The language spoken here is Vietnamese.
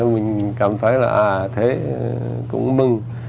mình cảm thấy là thế cũng mừng